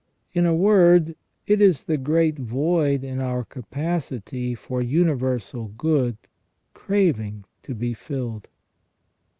* In a word, it is the great void in our capacity for universal good craving to be filled.